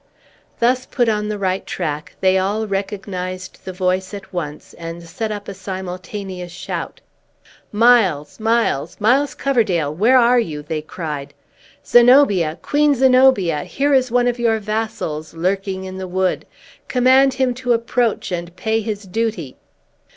Thus put on the right track, they all recognized the voice at once, and set up a simultaneous shout. "Miles! Miles! Miles Coverdale, where are you?" they cried. "Zenobia! Queen Zenobia! here is one of your vassals lurking in the wood. Command him to approach and pay his duty!"